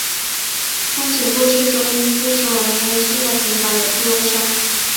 憧憬故事中主人公的少年新海春是个平凡的初中生。